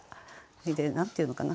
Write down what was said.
それで何て言うのかな